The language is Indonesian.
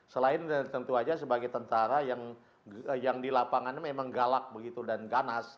selain tentu saja sebagai tentara yang di lapangan memang galak begitu dan ganas